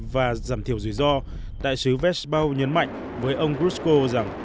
và giảm thiểu rủi ro đại sứ vespo nhấn mạnh với ông krusko rằng